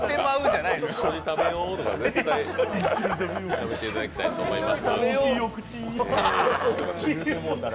一緒に食べようとか絶対やめていただきたいと思います。